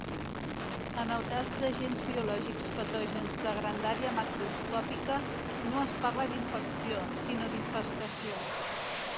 En el cas d'agents biològics patògens de grandària macroscòpica, no es parla d'infecció, sinó d'infestació.